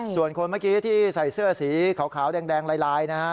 ส่วนคนเมื่อกี้ที่ใส่เสื้อสีขาวแดงลายนะฮะ